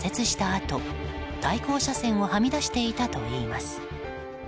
あと対向車線をはみ出していたといいます。